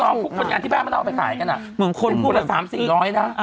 เป็นงานที่แบบมันเอาไปขายกันอะเป็นคนพูดว่า๓๔๐๐นะ